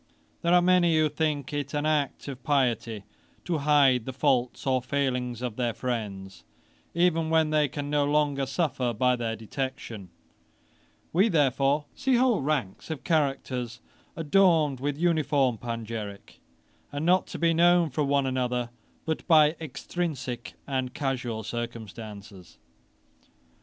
There are many who think it an act of piety to hide the faults or failings of their friends, even when they can no longer suffer by their detection; we therefore see whole ranks of characters adorned with uniform panegyrick, and not to be known from one another but by extrinsick and casual circumstances.